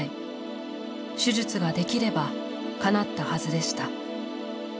手術ができればかなったはずでした。